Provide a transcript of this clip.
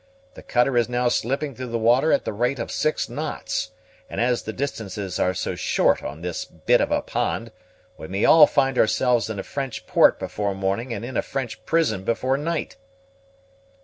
The cutter is now slipping through the water at the rate of six knots, and as the distances are so short on this bit of a pond, we may all find ourselves in a French port before morning, and in a French prison before night."